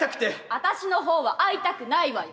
私の方は会いたくないわよ。